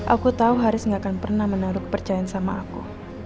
aku tau haris gak akan pernah menurut percayaan sama aku